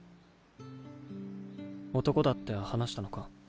男だって話したのか？